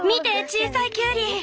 小さいキュウリ。